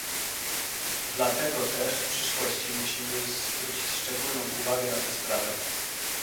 Dlatego też w przyszłości musimy zwrócić szczególną uwagę na tę sprawę